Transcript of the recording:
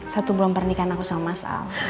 satu bulan pernikahan aku sama mas al